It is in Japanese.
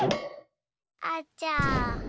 あちゃ。